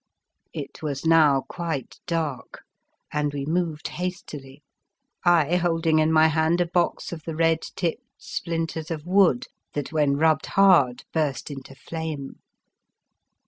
It was now quite dark, and we moved hastily, I holding in my hand a box of the red tipped splinters of wood that when rubbed hard burst into flame.